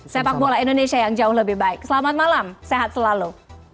sepak bola indonesia yang jauh lebih baik selamat malam sehat selalu